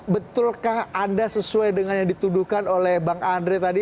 betulkah anda sesuai dengan yang dituduhkan oleh bang andre tadi